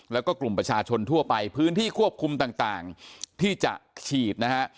แล้วก็กลุ่มประชาชนทั่วไปพื้นที่ควบคุมต่างที่จะฉีดนะฮะ